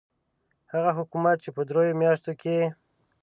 هغه حکومت چې په دریو میاشتو کې.